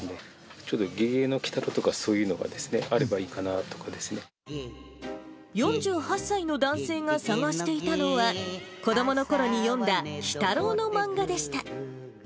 ちょっとゲゲゲの鬼太郎とか、そういうのがあればいいかなとか４８歳の男性が探していたのは、子どものころに読んだ鬼太郎の漫画でした。